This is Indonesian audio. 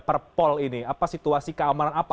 perpol ini apa situasi keamanan apa